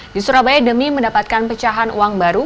di surabaya demi mendapatkan pecahan uang baru